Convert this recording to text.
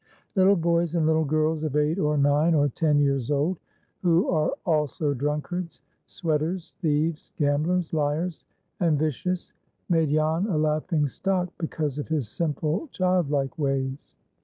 Little boys and little girls of eight or nine or ten years old, who are also drunkards, sweaters, thieves, gamblers, liars, and vicious, made Jan a laughing stock, because of his simple childlike ways.